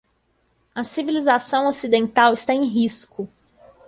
A civilização ocidental está em risco